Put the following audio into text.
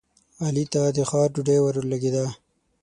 علي ته د ښار ډوډۍ ورلګېده.